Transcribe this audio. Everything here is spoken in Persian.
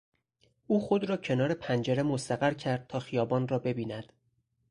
او خود را کنار پنجره مستقر کرد تا خیابان را ببیند.